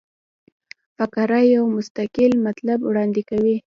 فقره یو مستقل مطلب وړاندي کوي.